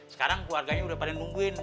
sekarang keluarganya udah pada nungguin